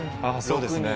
そうですね。